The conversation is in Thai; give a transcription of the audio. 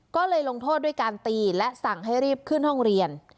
ก็เลยลงโทษด้วยการตีและสั่งให้รีบขึ้นห้องเรียน